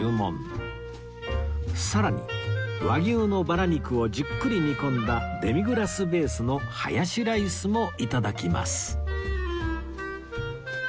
さらに和牛のバラ肉をじっくり煮込んだデミグラスベースのハヤシライスもいただきます